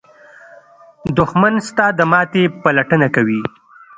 دښمن ستا د ماتې پلټنه کوي